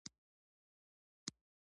نور به ترې کور ته لاړل.